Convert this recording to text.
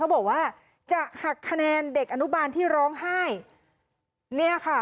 บอกว่าจะหักคะแนนเด็กอนุบันที่ร้องไห้